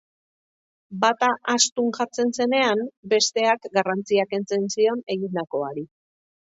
Bata astun jartzen zenean, besteak garrantzia kentzen zion egindakoari.